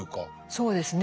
そうですね。